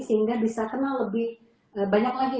sehingga bisa kenal lebih banyak lagi